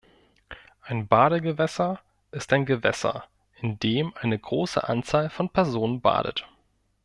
Ein Badegewässer ist ein Gewässer, in dem eine große Anzahl von Personen badet.